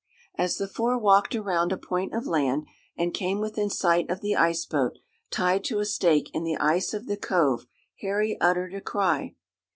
As the four walked around a point of land, and came within sight of the ice boat, tied to a stake in the ice of the cove, Harry uttered a cry.